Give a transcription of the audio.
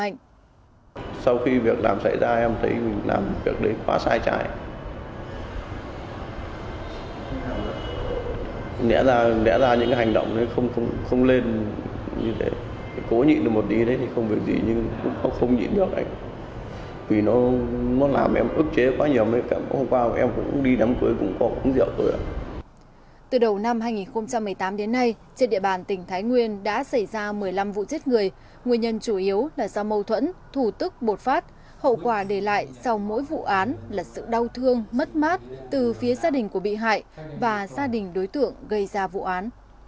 hậu quả để lại sau mỗi vụ án là sự đau thương mất mát từ phía gia đình của bị hại và gia đình đối tượng gây ra vụ án